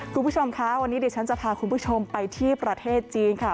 คุณผู้ชมคะวันนี้ดิฉันจะพาคุณผู้ชมไปที่ประเทศจีนค่ะ